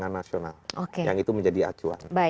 yang itu menjadi acuan